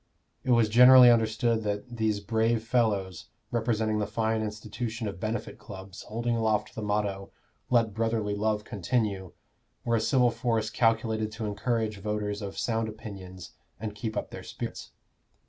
It was generally understood that "these brave fellows," representing the fine institution of Benefit Clubs, holding aloft the motto, "Let brotherly love continue," were a civil force calculated to encourage voters of sound opinions and keep up their spirits.